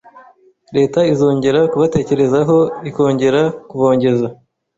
leta izongera kubatekerezaho ikongera kubongeza